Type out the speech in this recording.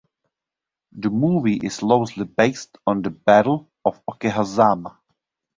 The movie is loosely based on The Battle of Okehazama.